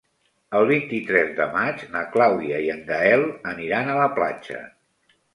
El vint-i-tres de maig na Clàudia i en Gaël aniran a la platja.